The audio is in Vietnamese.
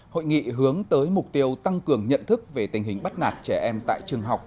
hội nghị hướng tới mục tiêu tăng cường nhận thức về tình hình bắt nạt trẻ em tại trường học